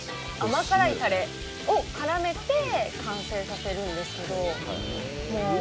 甘辛いタレをからめて完成させるんですけど。